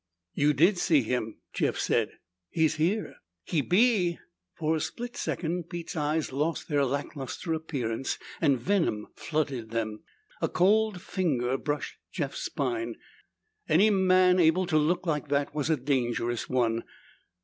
"You did see him," Jeff said. "He's here." "He be?" For a split second, Pete's eyes lost their lack luster appearance and venom flooded them. A cold finger brushed Jeff's spine. Any man able to look like that was a dangerous one.